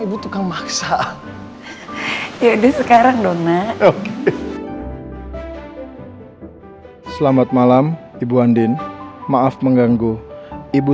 ibu tukang maksa ya di sekarang dona oke selamat malam ibu andin maaf mengganggu ibu